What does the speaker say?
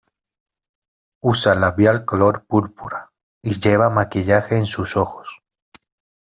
Usa labial color púrpura, y lleva maquillaje en sus ojos.